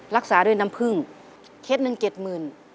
รักษาด้วยน้ำผึ้งเคล็ดหนึ่งเจ็ดหมื่น